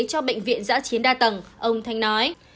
cho bệnh viện giã chiến đa tầng ông thanh nói